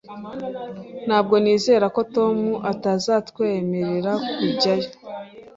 Ntabwo nizera ko Tom atazatwemerera kujyayo